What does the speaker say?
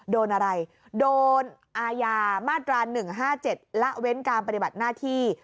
โดนอะไรโดนอาญามาตรา๑๕๗ละเว้นการปฏิบัติหน้าที่